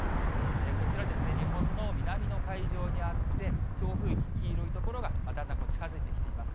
こちらですね、日本の南の海上にあって、強風域、黄色い所がだんだん近づいてきています。